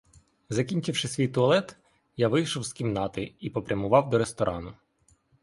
Закінчивши свій туалет, я вийшов з кімнати і попрямував до ресторану.